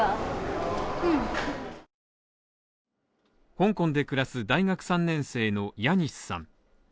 香港で暮らす大学３年生のヤニスさん。